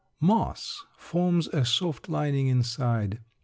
Moss forms a soft lining inside.